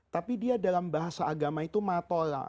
tapi dia dalam bahasa agama itu matola